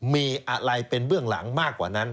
มีอะไรเป็นเบื้องหลังมากกว่านั้น